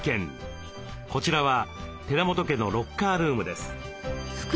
こちらは寺本家のロッカールームです。